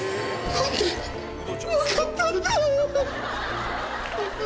何で分かったんだ。